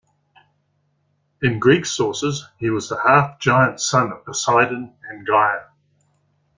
In Greek sources, he was the half-giant son of Poseidon and Gaia.